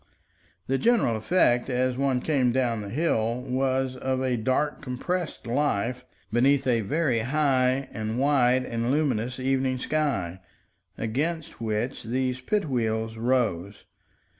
The general effect, as one came down the hill, was of a dark compressed life beneath a very high and wide and luminous evening sky, against which these pit wheels rose.